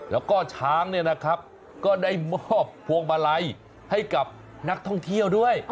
แล้วก็ช้างเนี่ยนะครับก็ได้มอบพวงมาลัยให้กับนักท่องเที่ยวด้วย